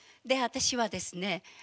で私はですね